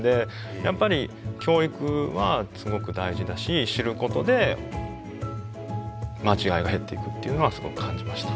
やっぱり教育はすごく大事だし知ることで間違いが減っていくっていうのは感じました。